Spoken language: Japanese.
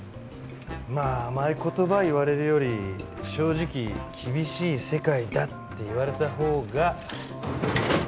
まあ甘い言葉言われるより正直厳しい世界だって言われたほうが。